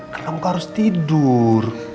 kenapa kamu harus tidur